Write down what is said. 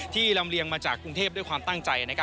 ลำเลียงมาจากกรุงเทพด้วยความตั้งใจ